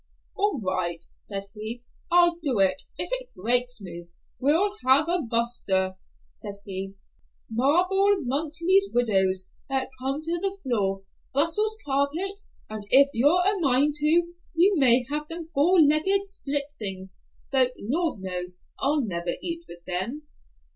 "All right," said he, "I'll do it, if it breaks me. We'll have a buster," said he, "marble mantletrys, windows that come to the floor, Brussels carpets, and if you're a mind to, you may have them four legged split things, though, Lord knows I'll never eat with them."